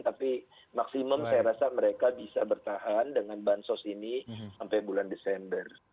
tapi maksimum saya rasa mereka bisa bertahan dengan bansos ini sampai bulan desember